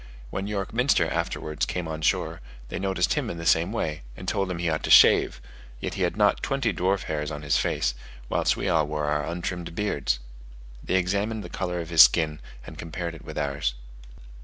When York Minster afterwards came on shore, they noticed him in the same way, and told him he ought to shave; yet he had not twenty dwarf hairs on his face, whilst we all wore our untrimmed beards. They examined the colour of his skin, and compared it with ours.